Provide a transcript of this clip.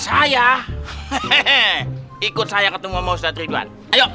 saya ikut saya ketemu mastahar tidwan ayo